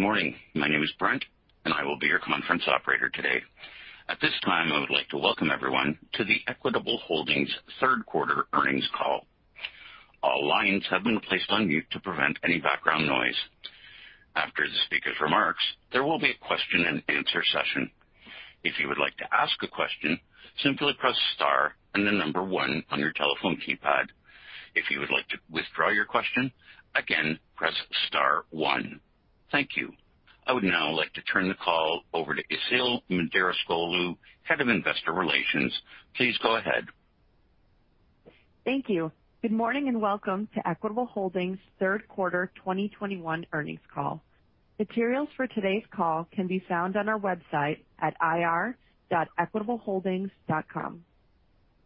Good morning. My name is Brent, and I will be your conference operator today. At this time, I would like to welcome everyone to the Equitable Holdings third quarter earnings call. All lines have been placed on mute to prevent any background noise. After the speakers' remarks, there will be a question and answer session. If you would like to ask a question, simply press star and the number 1 on your telephone keypad. If you would like to withdraw your question, again, press star 1. Thank you. I would now like to turn the call over to Işıl Müderrisoğlu, Head of Investor Relations. Please go ahead. Thank you. Good morning and welcome to Equitable Holdings' third quarter 2021 earnings call. Materials for today's call can be found on our website at ir.equitableholdings.com.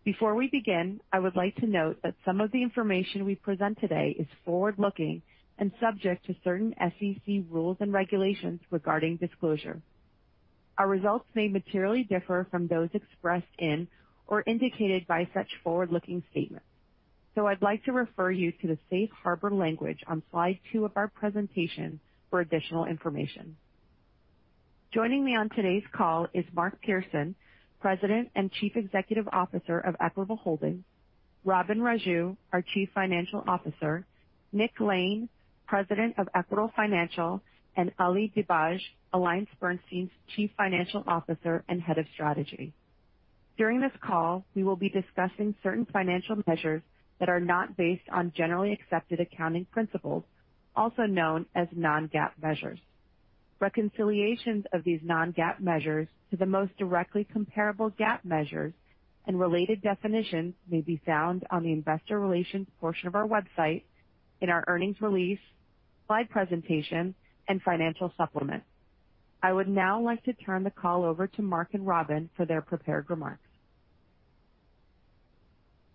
Before we begin, I would like to note that some of the information we present today is forward-looking and subject to certain SEC rules and regulations regarding disclosure. Our results may materially differ from those expressed in or indicated by such forward-looking statements. I'd like to refer you to the safe harbor language on slide two of our presentation for additional information. Joining me on today's call is Mark Pearson, President and Chief Executive Officer of Equitable Holdings, Robin Raju, our Chief Financial Officer, Nick Lane, President of Equitable Financial, and Ali Dibadj, AllianceBernstein's Chief Financial Officer and Head of Strategy. During this call, we will be discussing certain financial measures that are not based on Generally Accepted Accounting Principles, also known as non-GAAP measures. Reconciliations of these non-GAAP measures to the most directly comparable GAAP measures and related definitions may be found on the Investor Relations portion of our website in our earnings release, slide presentation, and financial supplement. I would now like to turn the call over to Mark and Robin for their prepared remarks.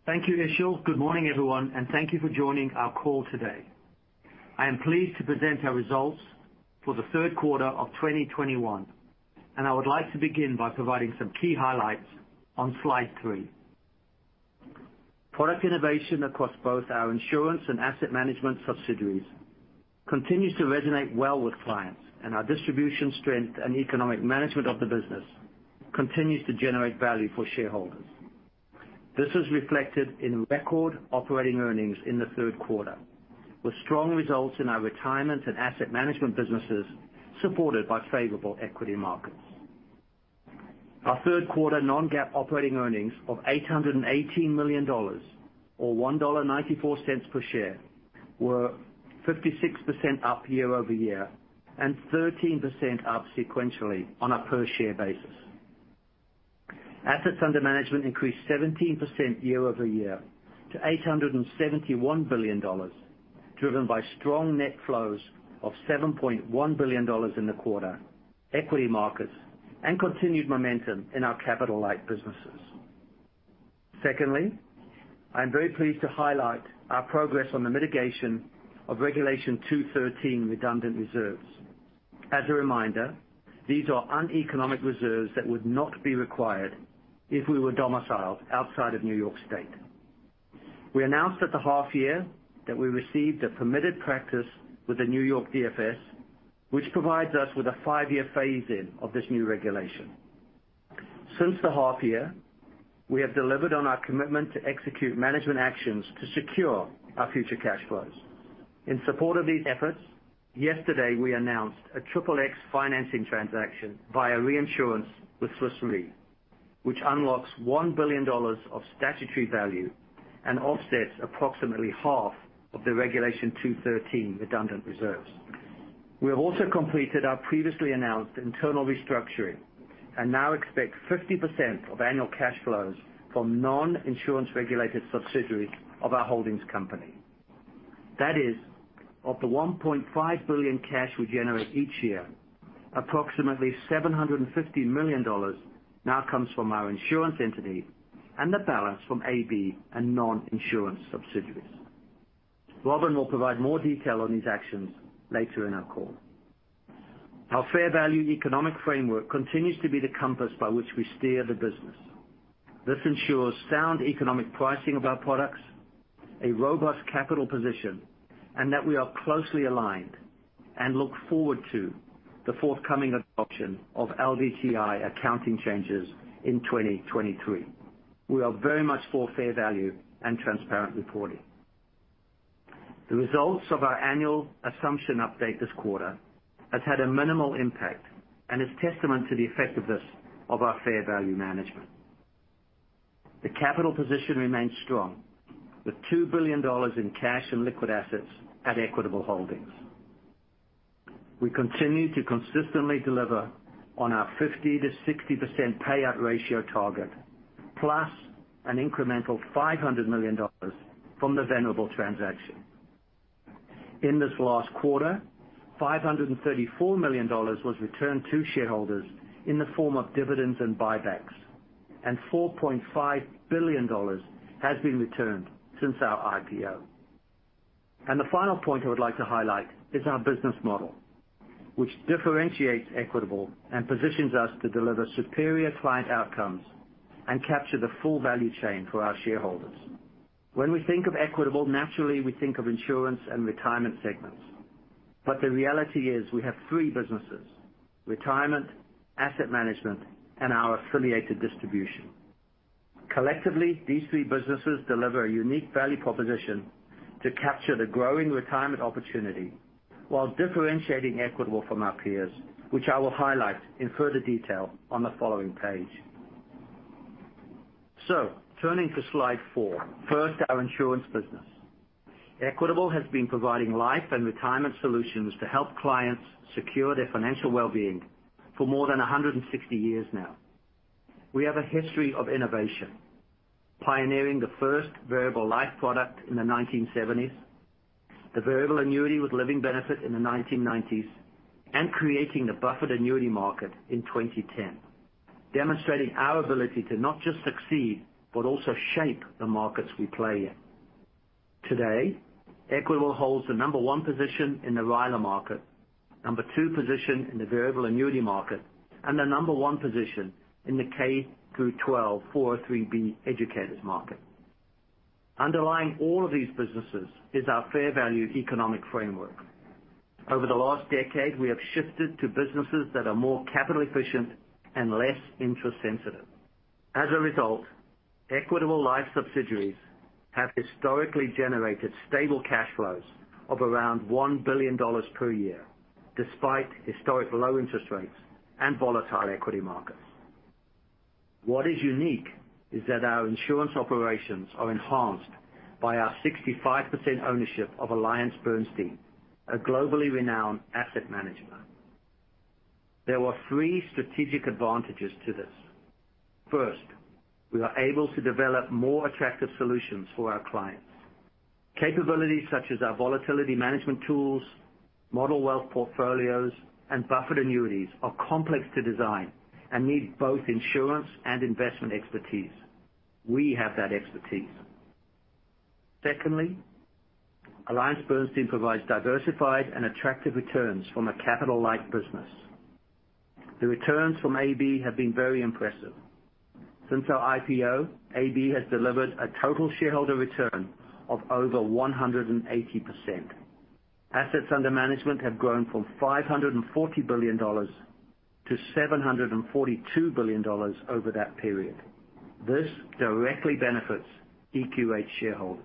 Thank you, Işıl. Good morning, everyone, and thank you for joining our call today. I am pleased to present our results for the third quarter of 2021. I would like to begin by providing some key highlights on slide three. Product innovation across both our insurance and asset management subsidiaries continues to resonate well with clients, and our distribution strength and economic management of the business continues to generate value for shareholders. This is reflected in record operating earnings in the third quarter, with strong results in our retirement and asset management businesses, supported by favorable equity markets. Our third quarter non-GAAP operating earnings of $818 million or $1.94 per share were 56% up year-over-year and 13% up sequentially on a per share basis. Assets under management increased 17% year-over-year to $871 billion, driven by strong net flows of $7.1 billion in the quarter, equity markets, and continued momentum in our capital-light businesses. Secondly, I am very pleased to highlight our progress on the mitigation of Regulation 213 redundant reserves. As a reminder, these are uneconomic reserves that would not be required if we were domiciled outside of New York State. We announced at the half year that we received a permitted practice with the New York DFS, which provides us with a five-year phase-in of this new regulation. Since the half year, we have delivered on our commitment to execute management actions to secure our future cash flows. In support of these efforts, yesterday, we announced a triple X financing transaction via reinsurance with Swiss Re, which unlocks $1 billion of statutory value and offsets approximately half of the Regulation 213 redundant reserves. We have also completed our previously announced internal restructuring and now expect 50% of annual cash flows from non-insurance regulated subsidiaries of our holdings company. That is, of the $1.5 billion cash we generate each year, approximately $750 million now comes from our insurance entity and the balance from AB and non-insurance subsidiaries. Robin will provide more detail on these actions later in our call. Our fair value economic framework continues to be the compass by which we steer the business. This ensures sound economic pricing of our products, a robust capital position, and that we are closely aligned and look forward to the forthcoming adoption of LDTI accounting changes in 2023. We are very much for fair value and transparent reporting. The results of our annual assumption update this quarter has had a minimal impact and is testament to the effectiveness of our fair value management. The capital position remains strong with $2 billion in cash and liquid assets at Equitable Holdings. We continue to consistently deliver on our 50%-60% payout ratio target, plus an incremental $500 million from the Venerable transaction. In this last quarter, $534 million was returned to shareholders in the form of dividends and buybacks, and $4.5 billion has been returned since our IPO. The final point I would like to highlight is our business model, which differentiates Equitable and positions us to deliver superior client outcomes and capture the full value chain for our shareholders. When we think of Equitable, naturally we think of insurance and retirement segments. The reality is we have three businesses, retirement, asset management, and our affiliated distribution. Collectively, these three businesses deliver a unique value proposition to capture the growing retirement opportunity while differentiating Equitable from our peers, which I will highlight in further detail on the following page. Turning to slide four, first, our insurance business. Equitable has been providing life and retirement solutions to help clients secure their financial well-being for more than 160 years now. We have a history of innovation, pioneering the first variable life product in the 1970s, the variable annuity with living benefit in the 1990s, and creating the buffered annuity market in 2010, demonstrating our ability to not just succeed but also shape the markets we play in. Today, Equitable holds the number 1 position in the RILA market, number 2 position in the variable annuity market, and the number 1 position in the K through 12, 403 educators market. Underlying all of these businesses is our fair value economic framework. Over the last decade, we have shifted to businesses that are more capital efficient and less interest sensitive. As a result, Equitable life subsidiaries have historically generated stable cash flows of around $1 billion per year, despite historic low interest rates and volatile equity markets. What is unique is that our insurance operations are enhanced by our 65% ownership of AllianceBernstein, a globally renowned asset management. There are 3 strategic advantages to this. We are able to develop more attractive solutions for our clients. Capabilities such as our volatility management tools, model wealth portfolios, and buffered annuities are complex to design and need both insurance and investment expertise. We have that expertise. AllianceBernstein provides diversified and attractive returns from a capital-like business. The returns from AB have been very impressive. Since our IPO, AB has delivered a total shareholder return of over 180%. Assets under management have grown from $540 billion to $742 billion over that period. This directly benefits EQH shareholders.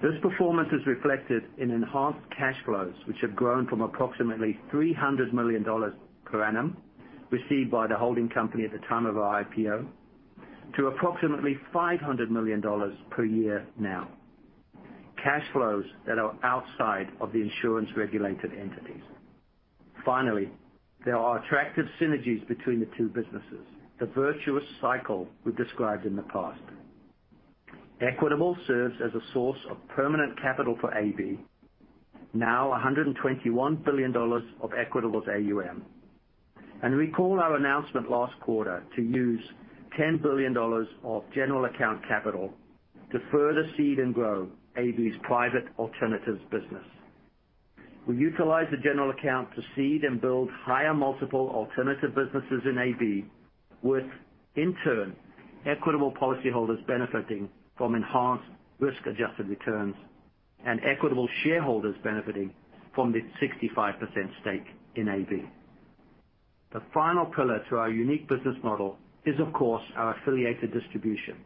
This performance is reflected in enhanced cash flows, which have grown from approximately $300 million per annum received by the holding company at the time of our IPO to approximately $500 million per year now, cash flows that are outside of the insurance-regulated entities. There are attractive synergies between the 2 businesses, the virtuous cycle we described in the past. Equitable serves as a source of permanent capital for AB, now $121 billion of Equitable's AUM. Recall our announcement last quarter to use $10 billion of general account capital to further seed and grow AB's private alternatives business. We utilize the general account to seed and build higher multiple alternative businesses in AB, with in turn, Equitable policy holders benefiting from enhanced risk-adjusted returns, and Equitable shareholders benefiting from the 65% stake in AB. The final pillar to our unique business model is, of course, our affiliated distribution.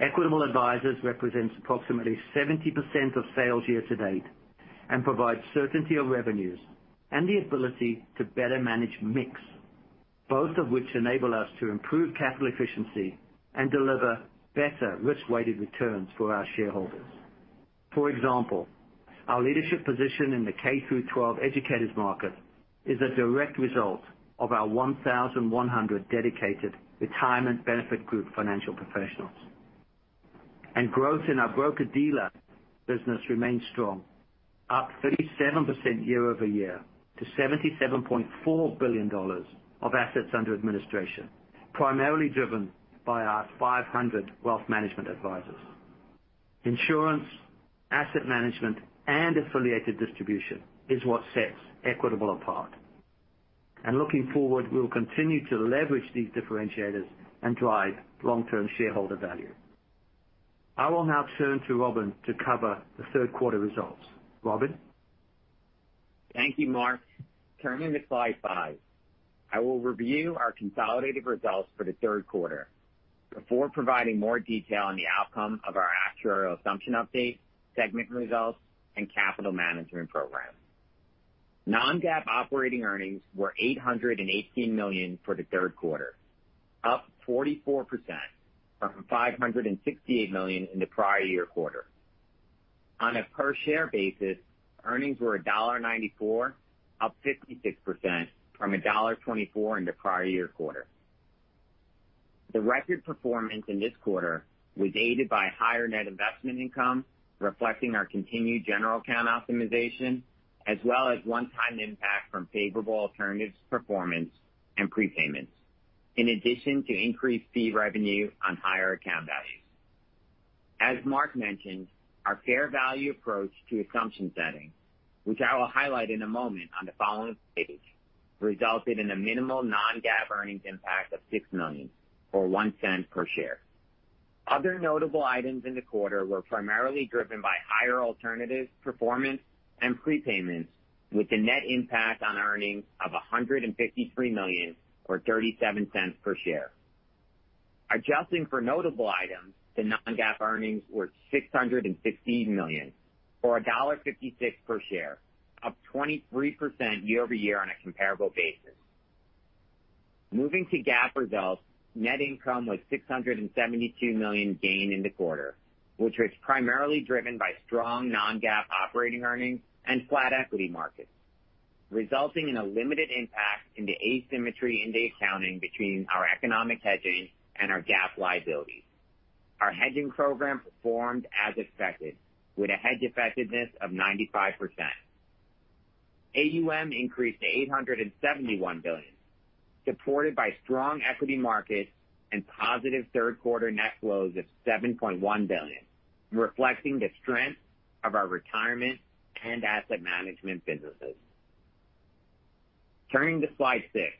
Equitable Advisors represents approximately 70% of sales year to date and provides certainty of revenues and the ability to better manage mix, both of which enable us to improve capital efficiency and deliver better risk-weighted returns for our shareholders. For example, our leadership position in the K through 12 educators market is a direct result of our 1,100 dedicated retirement benefit group financial professionals. Growth in our broker-dealer business remains strong, up 37% year-over-year to $77.4 billion of assets under administration, primarily driven by our 500 wealth management advisors. Insurance, asset management, and affiliated distribution is what sets Equitable apart. Looking forward, we will continue to leverage these differentiators and drive long-term shareholder value. I will now turn to Robin to cover the third quarter results. Robin? Thank you, Mark. Turning to slide five. I will review our consolidated results for the third quarter before providing more detail on the outcome of our actuarial assumption update, segment results, and capital management program. Non-GAAP operating earnings were $818 million for the third quarter, up 44% from $568 million in the prior year quarter. On a per share basis, earnings were $1.94, up 56% from $1.24 in the prior year quarter. The record performance in this quarter was aided by higher net investment income, reflecting our continued general account optimization as well as one-time impact from favorable alternatives performance and prepayments, in addition to increased fee revenue on higher account values. As Mark mentioned, our fair value approach to assumption setting, which I will highlight in a moment on the following page, resulted in a minimal non-GAAP earnings impact of $6 million or $0.01 per share. Other notable items in the quarter were primarily driven by higher alternatives performance and prepayments, with a net impact on earnings of $153 million or $0.37 per share. Adjusting for notable items to non-GAAP earnings were $616 million or $1.56 per share, up 23% year-over-year on a comparable basis. Moving to GAAP results, net income was $672 million gain in the quarter, which was primarily driven by strong non-GAAP operating earnings and flat equity markets, resulting in a limited impact in the asymmetry in the accounting between our economic hedging and our GAAP liabilities. Our hedging program performed as expected with a hedge effectiveness of 95%. AUM increased to $871 billion, supported by strong equity markets and positive third quarter net flows of $7.1 billion, reflecting the strength of our retirement and asset management businesses. Turning to slide six,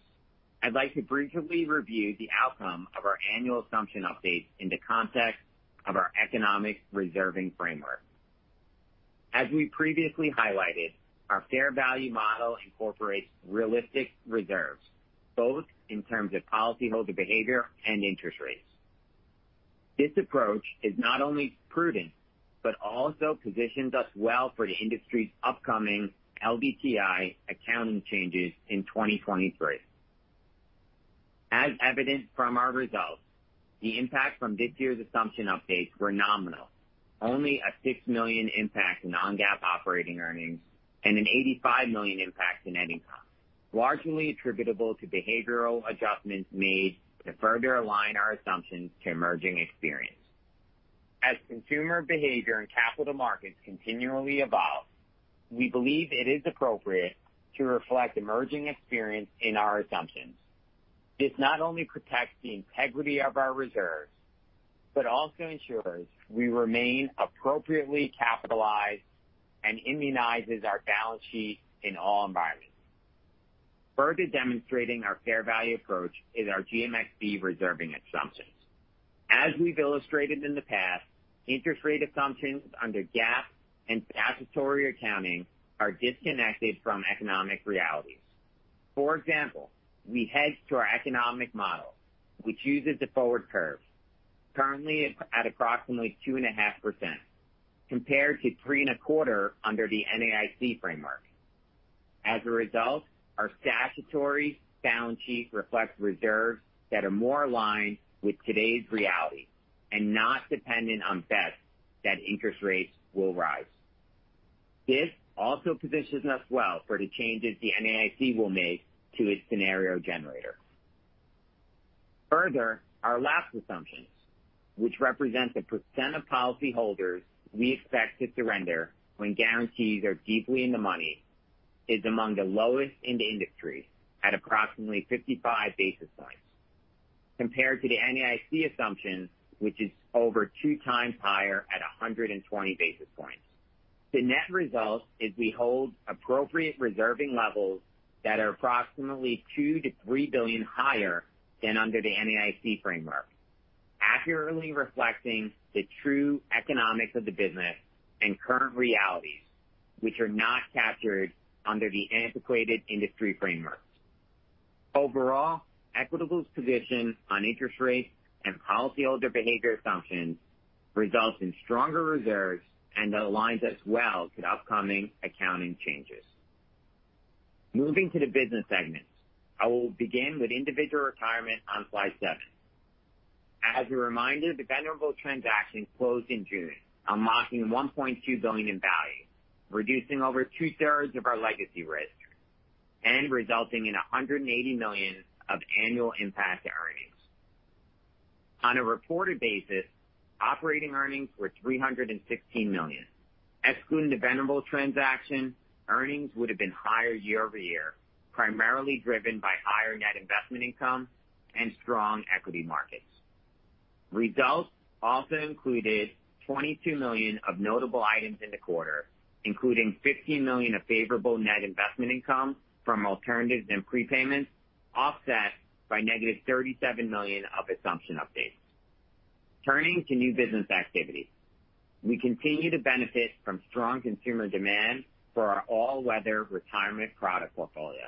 I'd like to briefly review the outcome of our annual assumption updates in the context of our economic reserving framework. As we previously highlighted, our fair value model incorporates realistic reserves, both in terms of policyholder behavior and interest rates. This approach is not only prudent but also positions us well for the industry's upcoming LDTI accounting changes in 2023. As evident from our results, the impact from this year's assumption updates were nominal. Only a $6 million impact in non-GAAP operating earnings and an $85 million impact in net income, largely attributable to behavioral adjustments made to further align our assumptions to emerging experience. As consumer behavior and capital markets continually evolve, we believe it is appropriate to reflect emerging experience in our assumptions. This not only protects the integrity of our reserves, but also ensures we remain appropriately capitalized and immunizes our balance sheet in all environments. Further demonstrating our fair value approach is our GMXB reserving assumptions. As we've illustrated in the past, interest rate assumptions under GAAP and statutory accounting are disconnected from economic realities. For example, we hedge through our economic model, which uses the forward curve currently at approximately 2.5% compared to 3.25% under the NAIC framework. As a result, our statutory balance sheet reflects reserves that are more aligned with today's reality and not dependent on bets that interest rates will rise. This also positions us well for the changes the NAIC will make to its scenario generator. Further, our lapse assumptions, which represent the % of policyholders we expect to surrender when guarantees are deeply in the money, is among the lowest in the industry at approximately 55 basis points compared to the NAIC assumption, which is over two times higher at 120 basis points. The net result is we hold appropriate reserving levels that are approximately $2 billion-$3 billion higher than under the NAIC framework, accurately reflecting the true economics of the business and current realities, which are not captured under the antiquated industry framework. Overall, Equitable's position on interest rates and policyholder behavior assumptions results in stronger reserves and aligns us well to upcoming accounting changes. Moving to the business segments. I will begin with Individual Retirement on slide seven. As a reminder, the Venerable transaction closed in June, unlocking $1.2 billion in value, reducing over two-thirds of our legacy risk and resulting in $180 million of annual impact to earnings. On a reported basis, operating earnings were $316 million. Excluding the Venerable transaction, earnings would have been higher year-over-year, primarily driven by higher net investment income and strong equity markets. Results also included $22 million of notable items in the quarter, including $15 million of favorable net investment income from alternatives and prepayments, offset by negative $37 million of assumption updates. Turning to new business activities. We continue to benefit from strong consumer demand for our all-weather retirement product portfolio.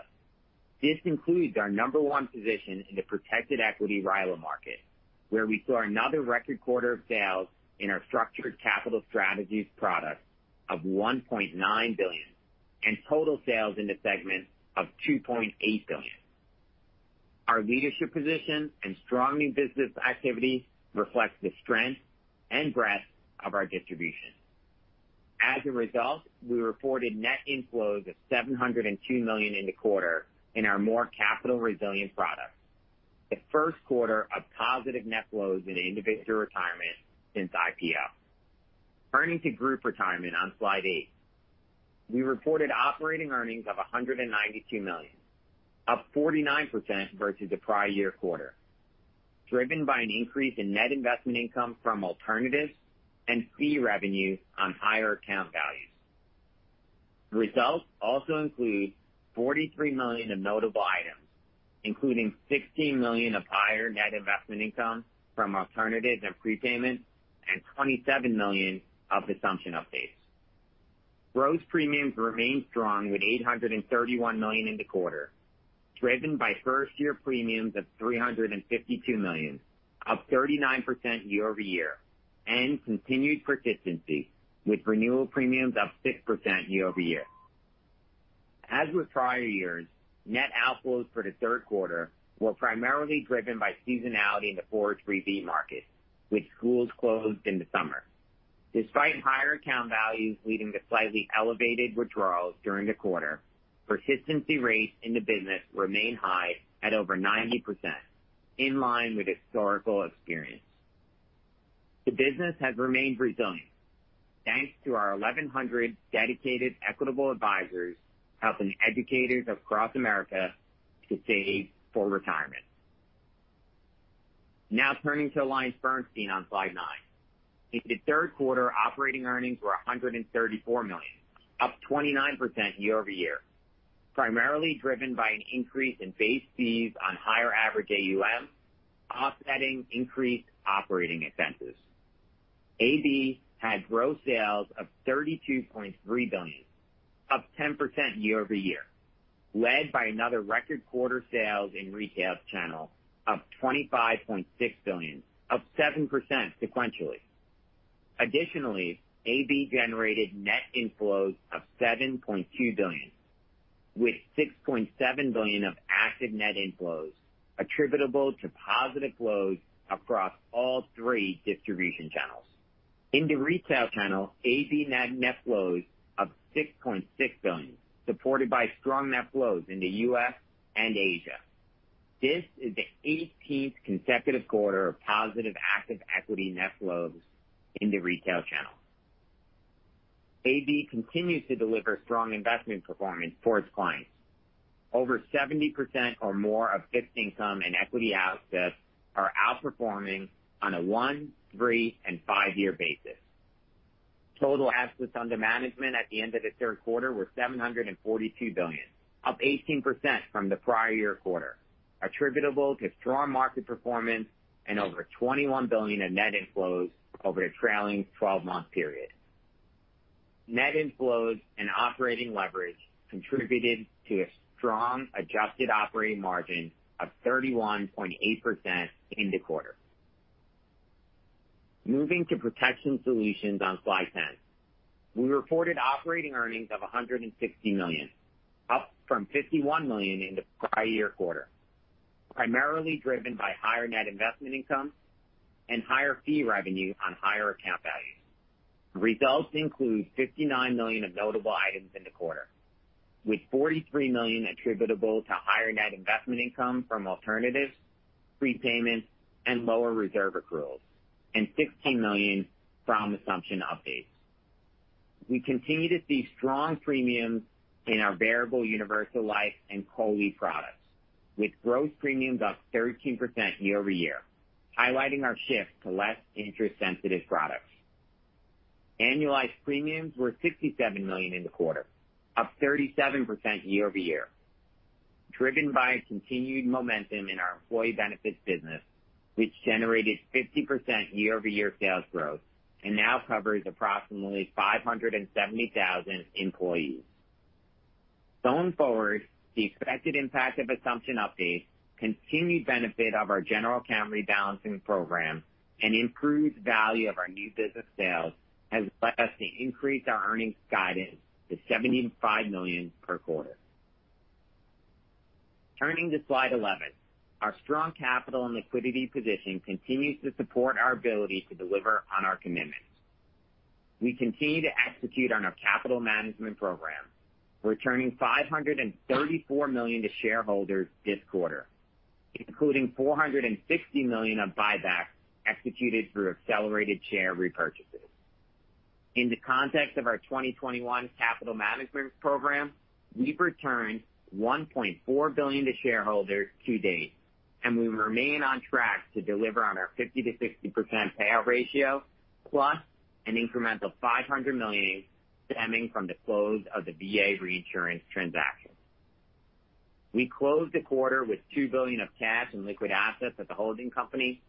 This includes our number one position in the protected equity RILA market, where we saw another record quarter of sales in our Structured Capital Strategies product of $1.9 billion and total sales in the segment of $2.8 billion. Our leadership position and strong new business activity reflects the strength and breadth of our distribution. As a result, we reported net inflows of $702 million in the quarter in our more capital resilient products, the first quarter of positive net flows in Individual Retirement since IPO. Turning to Group Retirement on slide eight. We reported operating earnings of $192 million, up 49% versus the prior year quarter, driven by an increase in net investment income from alternatives and fee revenues on higher account values. The results also include $43 million of notable items, including $16 million of higher net investment income from alternatives and prepayments, and $27 million of assumption updates. Gross premiums remained strong with $831 million in the quarter, driven by first-year premiums of $352 million, up 39% year-over-year, and continued persistency with renewal premiums up 6% year-over-year. As with prior years, net outflows for the third quarter were primarily driven by seasonality in the 403 market, with schools closed in the summer. Despite higher account values leading to slightly elevated withdrawals during the quarter, persistency rates in the business remain high at over 90%, in line with historical experience. The business has remained resilient, thanks to our 1,100 dedicated Equitable Advisors helping educators across America to save for retirement. Now turning to AllianceBernstein on slide nine. In the third quarter, operating earnings were $134 million, up 29% year-over-year, primarily driven by an increase in base fees on higher average AUM, offsetting increased operating expenses. AB had gross sales of $32.3 billion, up 10% year-over-year, led by another record quarter sales in retail channel of $25.6 billion, up 7% sequentially. Additionally, AB generated net inflows of $7.2 billion, with $6.7 billion of active net inflows attributable to positive flows across all three distribution channels. In the retail channel, AB net inflows of $6.6 billion, supported by strong net flows in the U.S. and Asia. This is the 18th consecutive quarter of positive active equity net flows in the retail channel. AB continues to deliver strong investment performance for its clients. Over 70% or more of fixed income and equity assets are outperforming on a one, three, and five-year basis. Total assets under management at the end of the third quarter were $742 billion, up 18% from the prior year quarter, attributable to strong market performance and over $21 billion of net inflows over the trailing 12-month period. Net inflows and operating leverage contributed to a strong adjusted operating margin of 31.8% in the quarter. Moving to Protection Solutions on slide 10. We reported operating earnings of $160 million, up from $51 million in the prior year quarter, primarily driven by higher net investment income and higher fee revenue on higher account values. Results include $59 million of notable items in the quarter, with $43 million attributable to higher net investment income from alternatives, prepayments, and lower reserve accruals, and $16 million from assumption updates. We continue to see strong premiums in our variable universal life and COLI products, with gross premiums up 13% year-over-year, highlighting our shift to less interest-sensitive products. Annualized premiums were $67 million in the quarter, up 37% year-over-year, driven by continued momentum in our employee benefits business, which generated 50% year-over-year sales growth and now covers approximately 570,000 employees. Going forward, the expected impact of assumption updates, continued benefit of our general account rebalancing program, and improved value of our new business sales has led us to increase our earnings guidance to $75 million per quarter. Turning to slide 11. Our strong capital and liquidity position continues to support our ability to deliver on our commitments. We continue to execute on our capital management program, returning $534 million to shareholders this quarter, including $460 million of buybacks executed through accelerated share repurchases. In the context of our 2021 capital management program, we've returned $1.4 billion to shareholders to date, and we remain on track to deliver on our 50%-60% payout ratio, plus an incremental $500 million stemming from the close of the VA reinsurance transaction. We closed the quarter with $2 billion of cash and liquid assets at the holding company,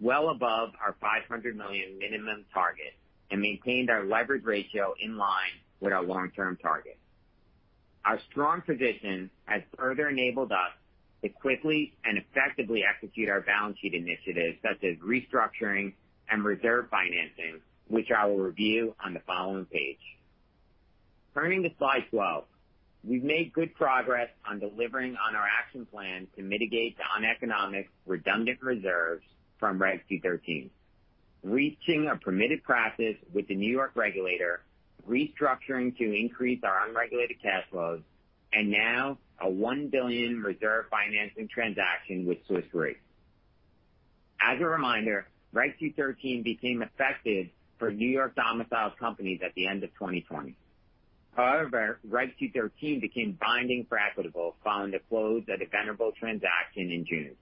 well above our $500 million minimum target, and maintained our leverage ratio in line with our long-term target. Our strong position has further enabled us to quickly and effectively execute our balance sheet initiatives such as restructuring and reserve financing, which I will review on the following page. Turning to slide 12. We've made good progress on delivering on our action plan to mitigate the noneconomic redundant reserves from Regulation 213, reaching a permitted practice with the New York regulator, restructuring to increase our unregulated cash flows, and now a $1 billion reserve financing transaction with Swiss Re. As a reminder, Reg 213 became effective for New York domiciled companies at the end of 2020. However, Reg 213 became binding for Equitable following the close of the Venerable transaction in June,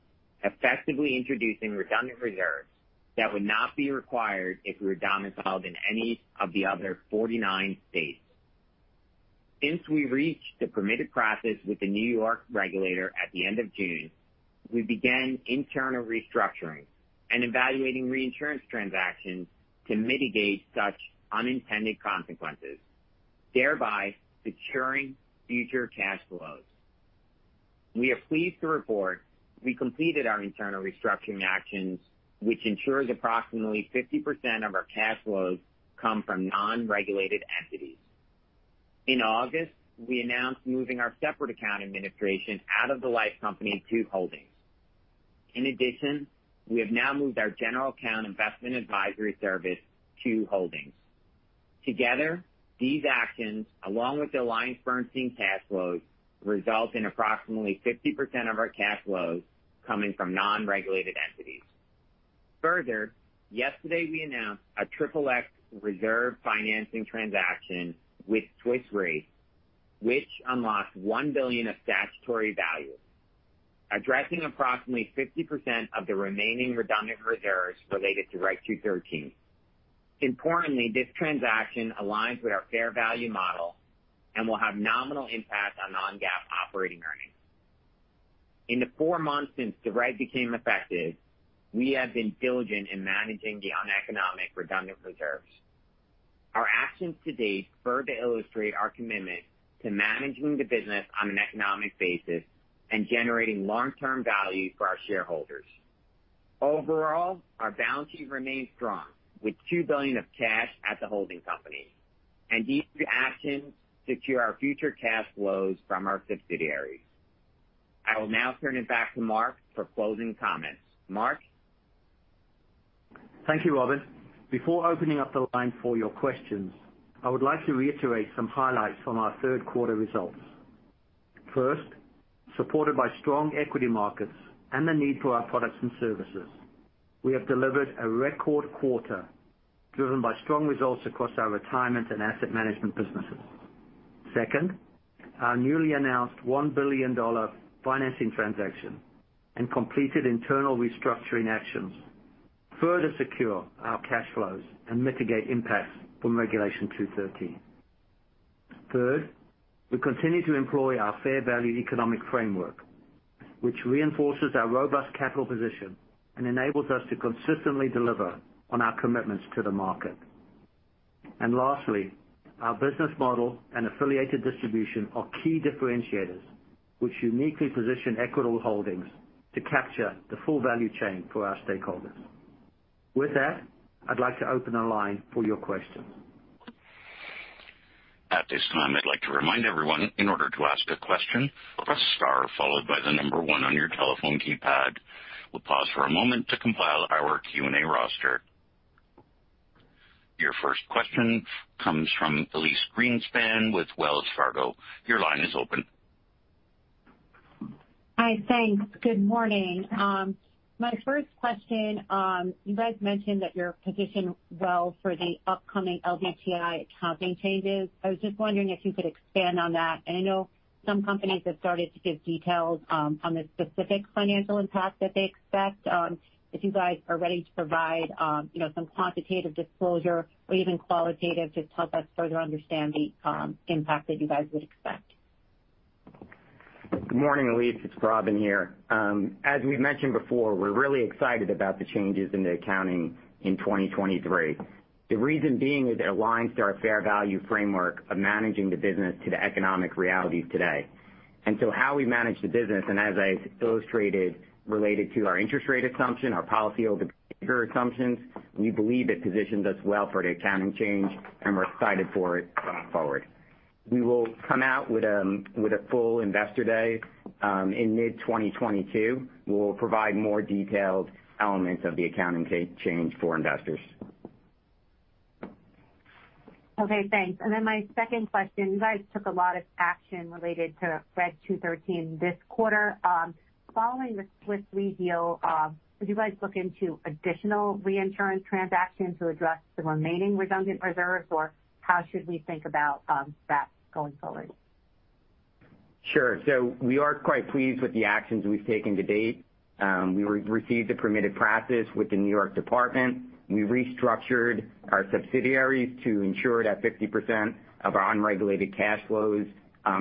effectively introducing redundant reserves that would not be required if we were domiciled in any of the other 49 states. Since we reached the permitted practice with the New York regulator at the end of June, we began internal restructuring and evaluating reinsurance transactions to mitigate such unintended consequences, thereby securing future cash flows. We are pleased to report we completed our internal restructuring actions, which ensures approximately 50% of our cash flows come from non-regulated entities. In August, we announced moving our separate account administration out of the life company to Holdings. In addition, we have now moved our general account investment advisory service to Holdings. Together, these actions, along with the Alliance financing cash flows, result in approximately 50% of our cash flows coming from non-regulated entities. Further, yesterday we announced a triple X reserve financing transaction with Swiss Re, which unlocks $1 billion of statutory value, addressing approximately 50% of the remaining redundant reserves related to Reg 213. Importantly, this transaction aligns with our fair value model and will have nominal impact on non-GAAP operating earnings. In the four months since the Reg became effective, we have been diligent in managing the uneconomic redundant reserves. Our actions to date further illustrate our commitment to managing the business on an economic basis and generating long-term value for our shareholders. Overall, our balance sheet remains strong with $2 billion of cash at the holding company and these actions secure our future cash flows from our subsidiaries. I will now turn it back to Mark for closing comments. Mark? Thank you, Robin. Before opening up the line for your questions, I would like to reiterate some highlights from our third quarter results. First, supported by strong equity markets and the need for our products and services, we have delivered a record quarter driven by strong results across our retirement and asset management businesses. Second, our newly announced $1 billion financing transaction and completed internal restructuring actions further secure our cash flows and mitigate impacts from Regulation 213. Third, we continue to employ our fair value economic framework, which reinforces our robust capital position and enables us to consistently deliver on our commitments to the market. Lastly, our business model and affiliated distribution are key differentiators, which uniquely position Equitable Holdings to capture the full value chain for our stakeholders. With that, I'd like to open the line for your questions. At this time, I'd like to remind everyone, in order to ask a question, press star followed by the number one on your telephone keypad. We'll pause for a moment to compile our Q&A roster. Your first question comes from Elyse Greenspan with Wells Fargo. Your line is open. Hi, thanks. Good morning. My first question, you guys mentioned that you're positioned well for the upcoming LDTI accounting changes. I was just wondering if you could expand on that. I know some companies have started to give details on the specific financial impact that they expect. If you guys are ready to provide some quantitative disclosure or even qualitative, just help us further understand the impact that you guys would expect. Good morning, Elyse. It's Robin here. As we've mentioned before, we're really excited about the changes in the accounting in 2023. The reason being is it aligns to our fair value framework of managing the business to the economic realities today. How we manage the business, and as I illustrated, related to our interest rate assumption, our policyholder assumptions, we believe it positions us well for the accounting change, and we're excited for it going forward. We will come out with a full investor day in mid 2022. We'll provide more detailed elements of the accounting change for investors. Okay, thanks. My second question, you guys took a lot of action related to Reg 213 this quarter. Following the Swiss Re deal, would you guys look into additional reinsurance transactions to address the remaining redundant reserves? Or how should we think about that going forward? Sure. We are quite pleased with the actions we've taken to date. We received a permitted practice with the New York Department. We restructured our subsidiaries to ensure that 50% of our unregulated cash flows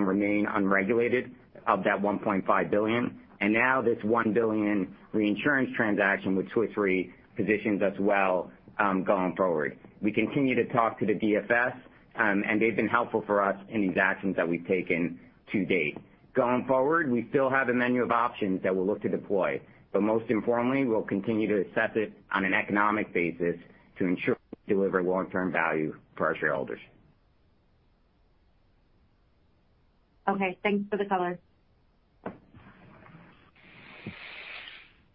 remain unregulated of that $1.5 billion. Now this $1 billion reinsurance transaction with Swiss Re positions us well going forward. We continue to talk to the DFS, and they've been helpful for us in these actions that we've taken to date. Going forward, we still have a menu of options that we'll look to deploy. Most importantly, we'll continue to assess it on an economic basis to ensure we deliver long-term value for our shareholders. Okay, thanks for the color.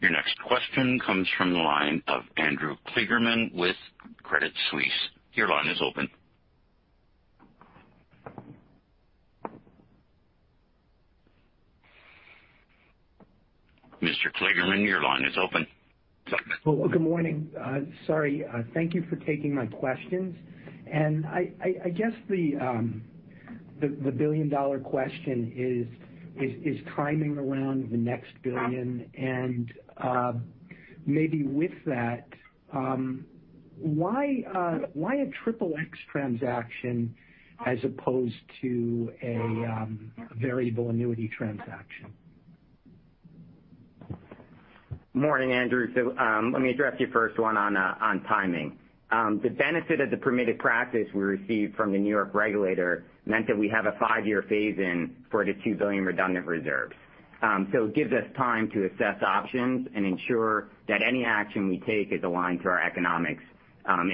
Your next question comes from the line of Andrew Kligerman with Credit Suisse. Your line is open Mr. Kligerman, your line is open. Good morning. Sorry. Thank you for taking my questions. I guess the billion-dollar question is timing around the next billion, and maybe with that, why a Regulation XXX transaction as opposed to a variable annuity transaction? Morning, Andrew. Let me address your first one on timing. The benefit of the permitted practice we received from the New York regulator meant that we have a five-year phase-in for the $2 billion redundant reserves. It gives us time to assess options and ensure that any action we take is aligned to our economics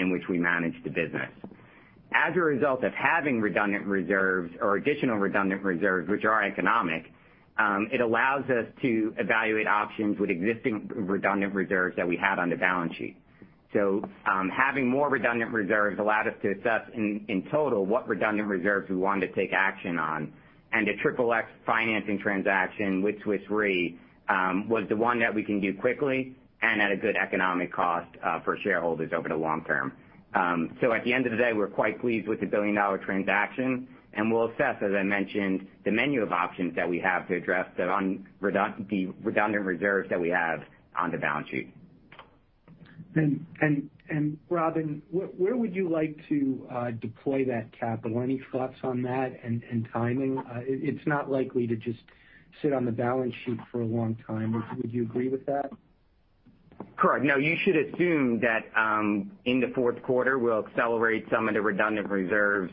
in which we manage the business. As a result of having redundant reserves or additional redundant reserves, which are economic, it allows us to evaluate options with existing redundant reserves that we have on the balance sheet. Having more redundant reserves allowed us to assess in total what redundant reserves we wanted to take action on. The Regulation XXX financing transaction with Swiss Re was the one that we can do quickly and at a good economic cost for shareholders over the long term. At the end of the day, we're quite pleased with the billion-dollar transaction, we'll assess, as I mentioned, the menu of options that we have to address the redundant reserves that we have on the balance sheet. Robin, where would you like to deploy that capital? Any thoughts on that and timing? It's not likely to just sit on the balance sheet for a long time. Would you agree with that? Correct. No, you should assume that in the fourth quarter, we'll accelerate some of the redundant reserves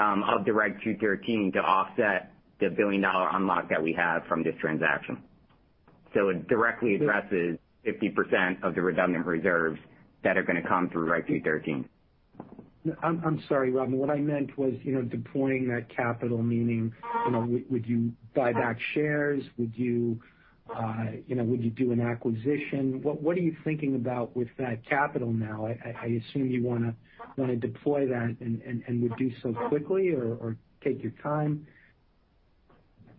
of the Reg 213 to offset the billion-dollar unlock that we have from this transaction. It directly addresses 50% of the redundant reserves that are going to come through Reg 213. I'm sorry, Robin. What I meant was deploying that capital, meaning would you buy back shares? Would you do an acquisition? What are you thinking about with that capital now? I assume you want to deploy that and would do so quickly or take your time.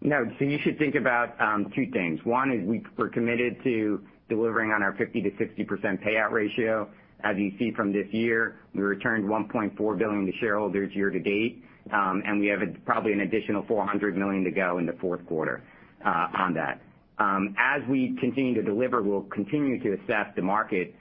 No. You should think about two things. One is we're committed to delivering on our 50%-60% payout ratio. As you see from this year, we returned $1.4 billion to shareholders year to date, and we have probably an additional $400 million to go in the fourth quarter on that. As we continue to deliver, we'll continue to assess the market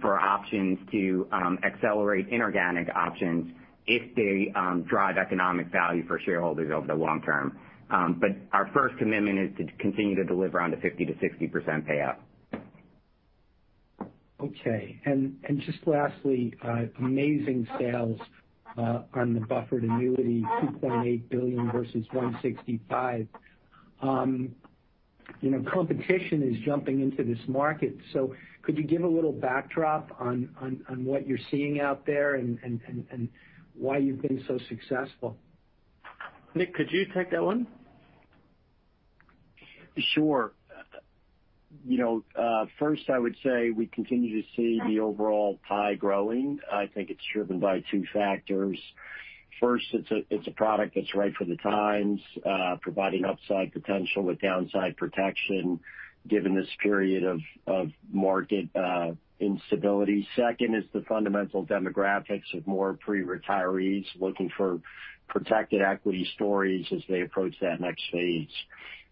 for options to accelerate inorganic options if they drive economic value for shareholders over the long term. Our first commitment is to continue to deliver on the 50%-60% payout. Okay. Just lastly, amazing sales on the buffered annuity, $2.8 billion versus $165. Competition is jumping into this market. Could you give a little backdrop on what you're seeing out there and why you've been so successful? Nick, could you take that one? I would say we continue to see the overall pie growing. I think it is driven by two factors. It is a product that is right for the times, providing upside potential with downside protection given this period of market instability. Second is the fundamental demographics of more pre-retirees looking for protected equity stories as they approach that next phase.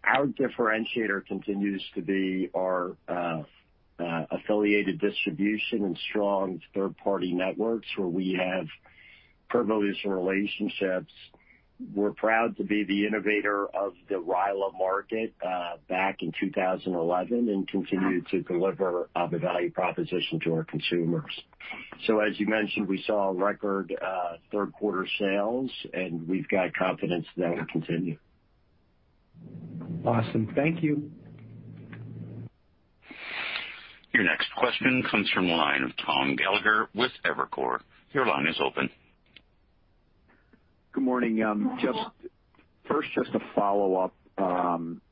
Our differentiator continues to be our affiliated distribution and strong third-party networks, where we have privileged relationships. We are proud to be the innovator of the RILA market back in 2011 and continue to deliver the value proposition to our consumers. As you mentioned, we saw record third-quarter sales, and we have got confidence that will continue. Awesome. Thank you. Your next question comes from the line of Tom Gallagher with Evercore. Your line is open. Good morning. Just to follow up,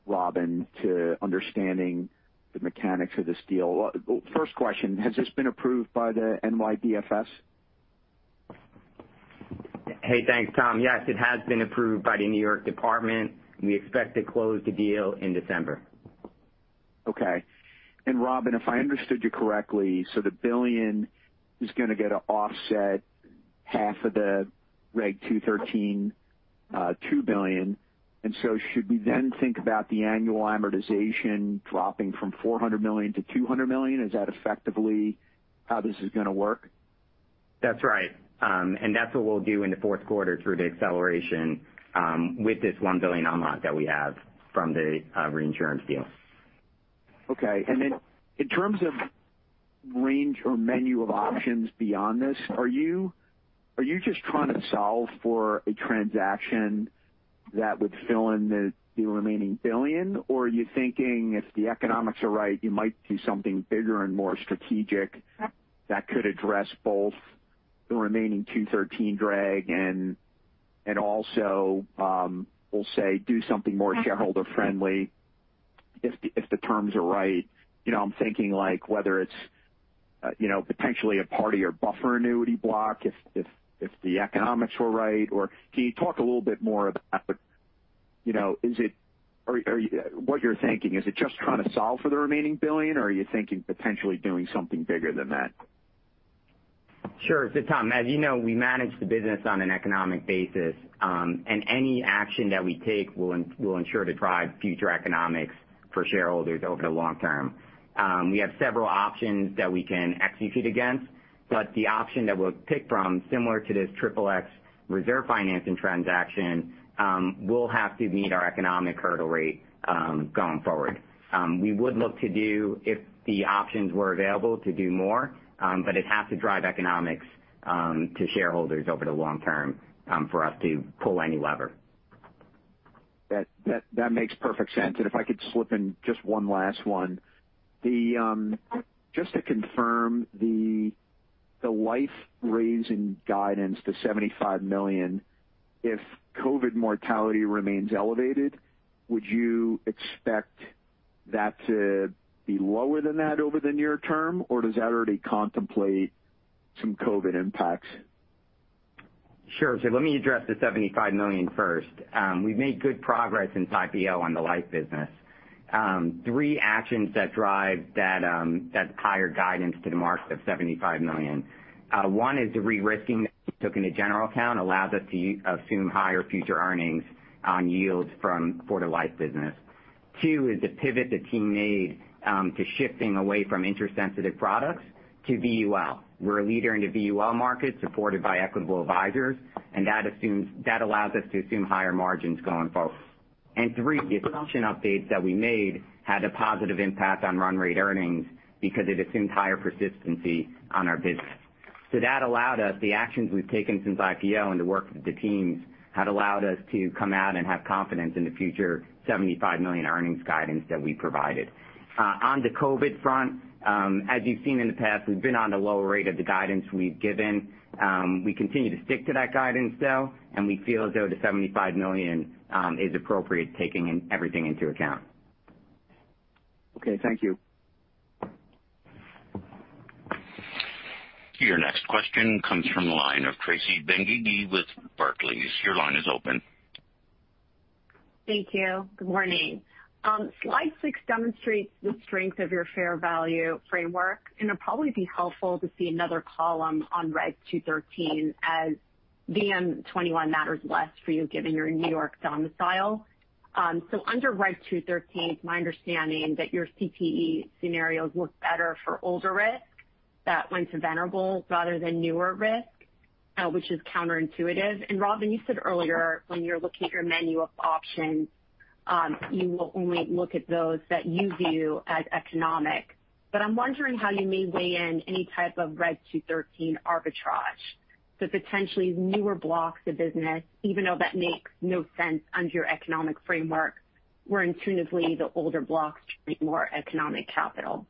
Robin, to understanding the mechanics of this deal. Question, has this been approved by the NYDFS? Hey, thanks, Tom. Yes, it has been approved by the New York Department. We expect to close the deal in December. Okay. Robin, if I understood you correctly, the $1 billion is going to get an offset half of the Reg 213, $2 billion. Should we then think about the annual amortization dropping from $400 million to $200 million? Is that effectively how this is going to work? That's right. That's what we'll do in the fourth quarter through the acceleration with this $1 billion unlock that we have from the reinsurance deal. Okay. Then in terms of range or menu of options beyond this, are you just trying to solve for a transaction that would fill in the remaining $1 billion? Are you thinking if the economics are right, you might do something bigger and more strategic that could address both the remaining 213 drag and also, we'll say, do something more shareholder friendly? If the terms are right. I'm thinking like whether it's potentially a part of the buffer annuity block, if the economics were right, or can you talk a little bit more about what you're thinking? Is it just trying to solve for the remaining $1 billion, or are you thinking potentially doing something bigger than that? Sure. Tom, as you know, we manage the business on an economic basis. Any action that we take will ensure to drive future economics for shareholders over the long term. We have several options that we can execute against, the option that we'll pick from, similar to this Regulation XXX reserve financing transaction, will have to meet our economic hurdle rate, going forward. We would look to do, if the options were available, to do more, it'd have to drive economics to shareholders over the long term for us to pull any lever. That makes perfect sense. If I could slip in just one last one. Just to confirm the life-raising guidance to $75 million, if COVID mortality remains elevated, would you expect that to be lower than that over the near term, or does that already contemplate some COVID impacts? Sure. Let me address the $75 million first. We've made good progress since IPO on the life business. Three actions that drive that higher guidance to the market of $75 million. One is the re-risking that we took in the general account allows us to assume higher future earnings on yields from quarter life business. Two is the pivot the team made to shifting away from interest-sensitive products to VUL. We're a leader in the VUL market, supported by Equitable Advisors, that allows us to assume higher margins going forward. Three, the assumption updates that we made had a positive impact on run rate earnings because it assumes higher persistency on our business. That allowed us, the actions we've taken since IPO and the work of the teams, had allowed us to come out and have confidence in the future $75 million earnings guidance that we provided. On the COVID front, as you've seen in the past, we've been on the low range of the guidance we've given. We continue to stick to that guidance though, we feel as though the $75 million is appropriate, taking everything into account. Okay. Thank you. Your next question comes from the line of Tracy Benguigui with Barclays. Your line is open. Thank you. Good morning. Slide six demonstrates the strength of your fair value framework, and it'd probably be helpful to see another column on Reg 213 as VM-21 matters less for you, given your New York domicile. Under Reg 213, it's my understanding that your CTE scenarios look better for older risk that went to Venerable rather than newer risk, which is counterintuitive. Robin, you said earlier when you're looking at your menu of options, you will only look at those that you view as economic. I'm wondering how you may weigh in any type of Reg 213 arbitrage. Potentially newer blocks of business, even though that makes no sense under your economic framework, where intuitively the older blocks create more economic capital.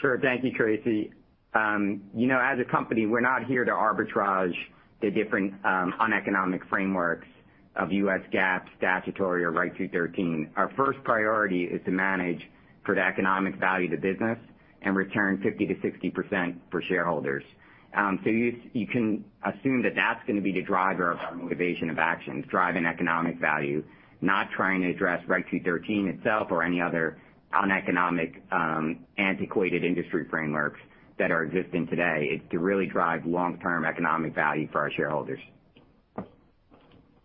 Sure. Thank you, Tracy. As a company, we're not here to arbitrage the different uneconomic frameworks of US GAAP statutory or Reg 213. Our first priority is to manage for the economic value of the business and return 50%-60% for shareholders. You can assume that that's going to be the driver of our motivation of actions, driving economic value, not trying to address Reg 213 itself or any other uneconomic, antiquated industry frameworks that are existing today. It's to really drive long-term economic value for our shareholders.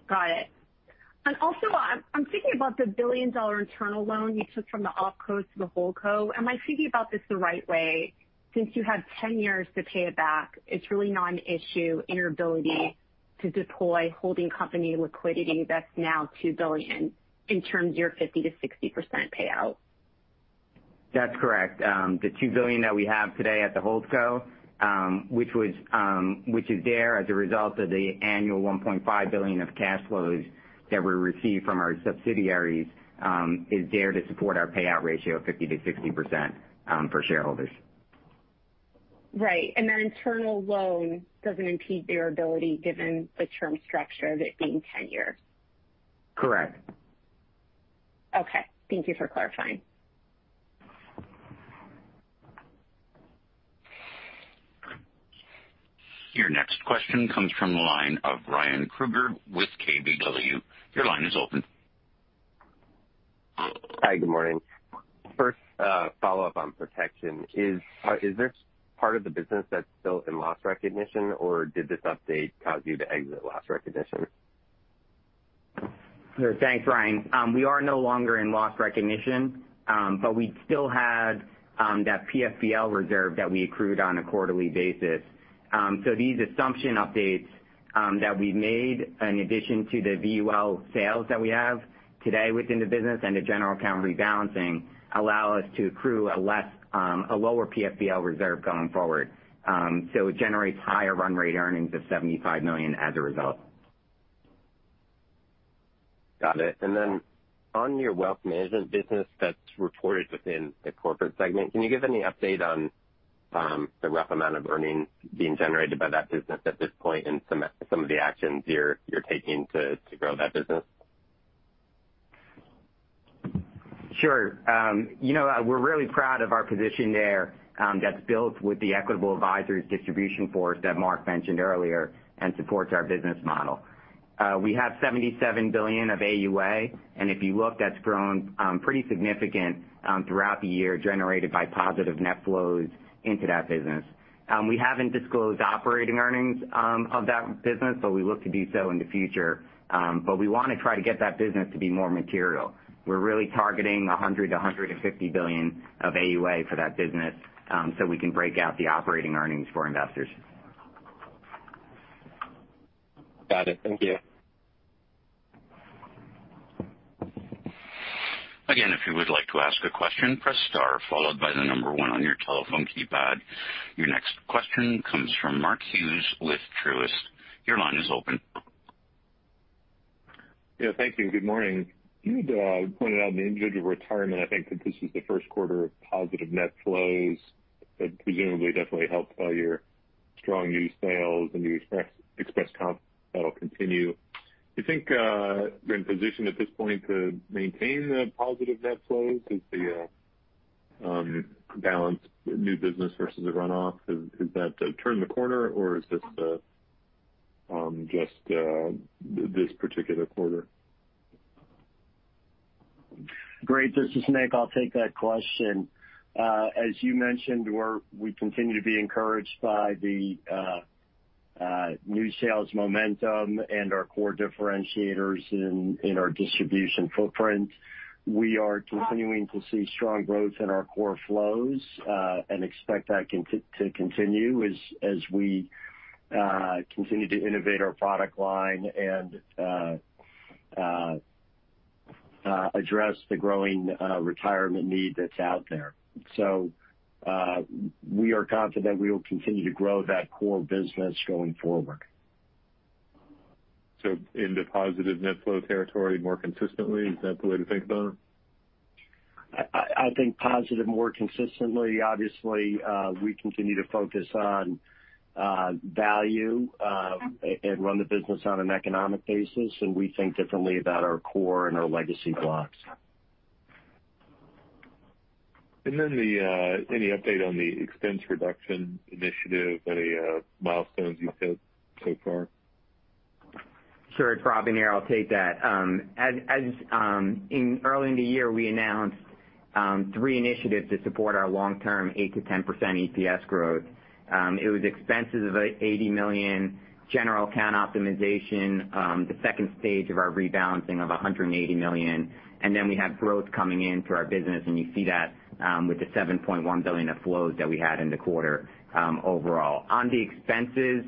Got it. Also, I'm thinking about the billion-dollar internal loan you took from the opco to the holdco. Am I thinking about this the right way? Since you have 10 years to pay it back, it's really not an issue in your ability to deploy holding company liquidity that's now $2 billion in terms of your 50%-60% payout. That's correct. The $2 billion that we have today at the holdco, which is there as a result of the annual $1.5 billion of cash flows that we receive from our subsidiaries, is there to support our payout ratio of 50%-60% for shareholders. Right. That internal loan doesn't impede your ability given the term structure of it being 10 years. Correct. Okay. Thank you for clarifying. Your next question comes from the line of Ryan Krueger with KBW. Your line is open. Hi, good morning. First, follow-up on Protection Solutions. Is this part of the business that's still in loss recognition, or did this update cause you to exit loss recognition? Sure. Thanks, Ryan. We are no longer in loss recognition, but we still had that PVFP reserve that we accrued on a quarterly basis. These assumption updates that we've made in addition to the VUL sales that we have today within the business and the general account rebalancing allow us to accrue a lower PVFP reserve going forward. It generates higher run rate earnings of $75 million as a result. Got it. Then on your wealth management business that's reported within the corporate segment, can you give any update on the rough amount of earnings being generated by that business at this point and some of the actions you're taking to grow that business? Sure. We're really proud of our position there that's built with the Equitable Advisors distribution force that Mark mentioned earlier and supports our business model. We have $77 billion of AUA, if you look, that's grown pretty significant throughout the year, generated by positive net flows into that business. We haven't disclosed operating earnings of that business, we look to do so in the future. We want to try to get that business to be more material. We're really targeting $100 billion-$150 billion of AUA for that business, we can break out the operating earnings for investors. Got it. Thank you. Again, if you would like to ask a question, press star followed by the number one on your telephone keypad. Your next question comes from Mark Hughes with Truist. Your line is open. Yeah. Thank you. Good morning. You pointed out in the Individual Retirement, I think that this is the first quarter of positive net flows. That presumably definitely helped your strong new sales and new Express Comp. That'll continue. Do you think you're in position at this point to maintain the positive net flows with the balance new business versus the runoff? Is that a turn in the corner or is this just this particular quarter? Great. This is Nick. I'll take that question. As you mentioned, we continue to be encouraged by the new sales momentum and our core differentiators in our distribution footprint. We are continuing to see strong growth in our core flows and expect that to continue as we continue to innovate our product line and address the growing retirement need that's out there. We are confident we will continue to grow that core business going forward. In the positive net flow territory more consistently, is that the way to think about it? I think positive more consistently. Obviously, we continue to focus on value and run the business on an economic basis, we think differently about our core and our legacy blocks. Then any update on the expense reduction initiative? Any milestones you've hit so far? Sure. It's Robin here. I'll take that. Early in the year, we announced three initiatives to support our long-term 8%-10% EPS growth. It was expenses of $80 million, general count optimization, the second stage of our rebalancing of $180 million. Then we have growth coming into our business, and you see that with the $7.1 billion of flows that we had in the quarter overall. On the expenses,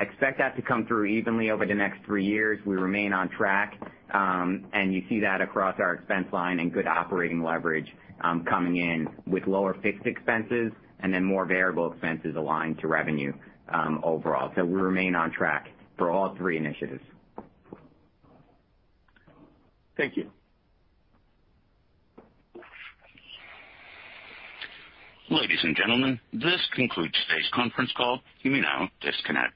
expect that to come through evenly over the next three years. We remain on track. You see that across our expense line and good operating leverage coming in with lower fixed expenses and then more variable expenses aligned to revenue overall. We remain on track for all three initiatives. Thank you. Ladies and gentlemen, this concludes today's conference call. You may now disconnect.